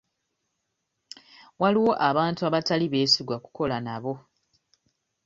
Waliwo abantu abatali beesigwa kukola nabo.